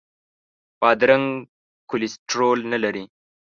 بادرنګ کولیسټرول نه لري.